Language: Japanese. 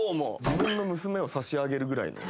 自分の娘を差し上げるぐらいの。